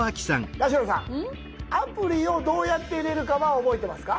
八代さんアプリをどうやって入れるかは覚えてますか？